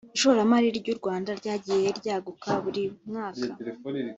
Ishoramali ry’u Rwanda ryagiye ryaguka buri mwaka